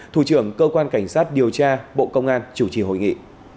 thủ trưởng cơ quan cảnh sát điều tra bộ công an chủ trì hội nghị